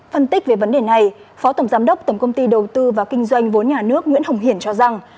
phân tích về vấn đề này phó tổng giám đốc tổng công ty đầu tư và kinh doanh vốn nhà nước nguyễn hồng hiển cho rằng